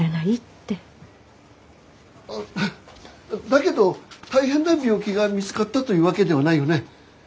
あっだけど大変な病気が見つかったというわけではないよね。